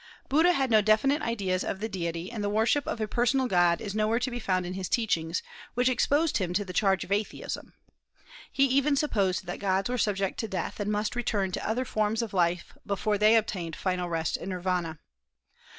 Buddha had no definite ideas of the deity, and the worship of a personal God is nowhere to be found in his teachings, which exposed him to the charge of atheism. He even supposed that gods were subject to death, and must return to other forms of life before they obtained final rest in Nirvana.